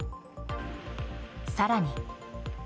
更に。